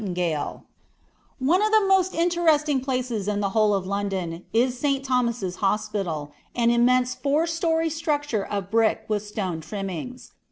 "] One of the most interesting places in the whole of London, is St. Thomas' Hospital, an immense four story structure of brick with stone trimmings.